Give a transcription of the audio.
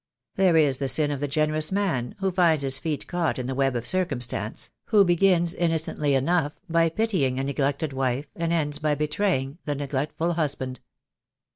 There is the sin of the generous man, who finds his feet caught in the web of circumstance, who begins, innocently enough, by pitying a neglected wife, and ends by betraying the neglectful husband.